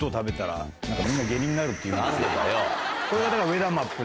これがだから。